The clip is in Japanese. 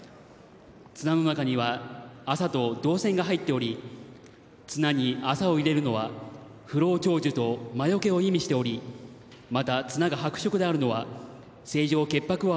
綱の中には麻と銅線が入っており綱に麻を入れるのは不老長寿と魔よけを意味しておりまた綱が白色であるのは清浄潔白を表し